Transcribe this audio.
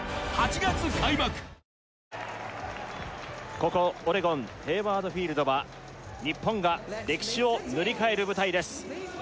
ここオレゴンヘイワード・フィールドは日本が歴史を塗り替える舞台です